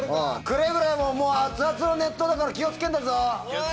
くれぐれも熱々の熱湯だから気を付けんだぞ。